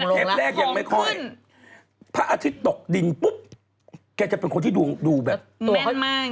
เทปแรกยังไม่ค่อยพระอาทิตย์ตกดินปุ๊บแกจะเป็นคนที่ดูแบบตัวค่อยมาก